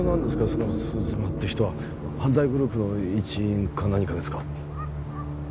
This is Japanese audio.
その鈴間って人は犯罪グループの一員か何かですか？